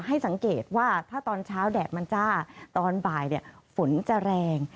ให้สังเกตว่าถ้าตอนเช้าแดดมันจ้าตอนบ่ายฝนจะแรง